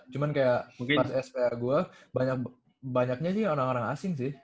cuman kayak pas spr gue banyaknya sih orang orang asing sih